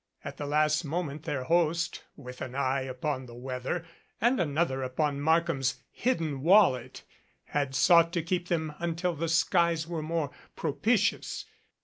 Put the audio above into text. At the last moment, their host, with an eye upon the weather (and another upon Markham's hidden wallet), had sought to keep them until the skies were more pro pitious.